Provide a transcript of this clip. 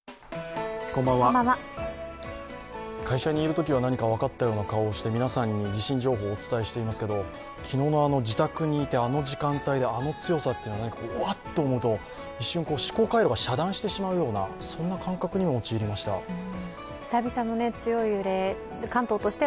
会社にいるときは何か分かったような顔をして皆さんに地震情報をお伝えしていますけれども、昨日の自宅にいてあの時間帯であの強さ、わっと思うと一瞬思考回路が遮断してしまうような感覚に陥りました。